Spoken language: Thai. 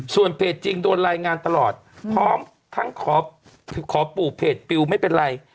ส่วนเพจจริงโดนรายงานตลอดพร้อมทั้งขอปู่เพจปิวไม่เป็นไร